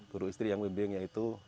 guru istri yang wimbing yaitu